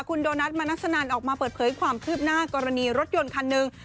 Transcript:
คุณโดนัทมนัสนันออกมาเปิดเผยความคืบหน้ากรณีรถยนต์คันหนึ่ง